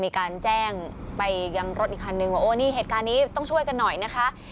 มีการแจ้งไปยังรถอีกคันนึงว่าโอ้นี่เหตุการณ์นี้ต้องช่วยกันหน่อยนะคะ